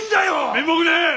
面目ねえ！